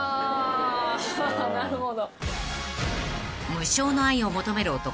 ［無償の愛を求める男